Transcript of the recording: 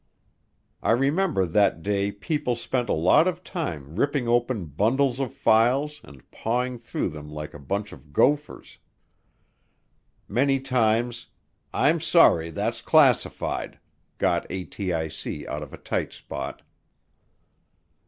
I remember that day people spent a lot of time ripping open bundles of files and pawing through them like a bunch of gophers. Many times, "I'm sorry, that's classified," got ATIC out of a tight spot.